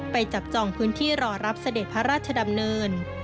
จับจองพื้นที่รอรับเสด็จพระราชดำเนิน